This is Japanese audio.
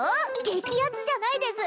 激アツじゃないです